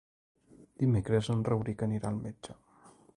Dimecres en Rauric anirà al metge.